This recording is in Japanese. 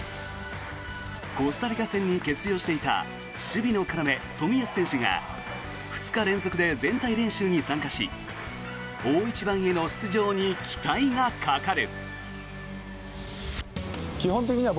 コスタリカ戦に欠場していた守備の要、冨安選手が２日連続で全体練習に参加し大一番への出場に期待がかかる。